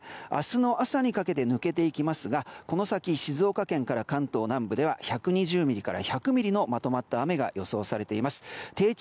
明日の朝にかけて抜けていきますがこの先、静岡県から関東南部では１２０ｍｍから１００ｍｍのまとまった雨が予想されます。